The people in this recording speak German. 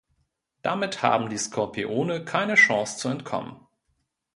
Damit haben die Skorpione keine Chance zu entkommen.